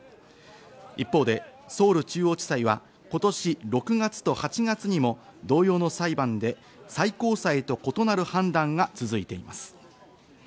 一方でソウル中央地裁は今年６月と８月にも同様の裁判で最高裁と異なる判断が続いています。